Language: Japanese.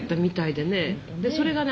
でそれがね